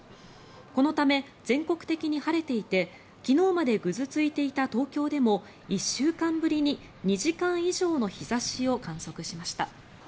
このため、全国的に晴れていて昨日までぐずついていた東京でも１週間ぶりに２時間以上の日差しを観測しました。